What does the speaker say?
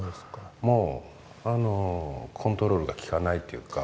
もうコントロールがきかないというか。